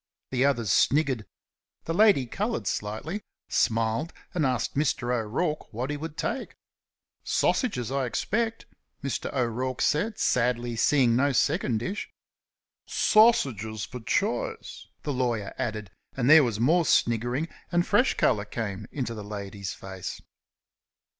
The others sniggered; the lady coloured slightly, smiled, and asked Mr. O'Rourke what he would take. "Sausages, I expect," Mr. O'Rourke said, sadly, seeing no second dish. "Sausages for choice," the lawyer added, and there was more sniggering, and fresh colour came into the lady's face.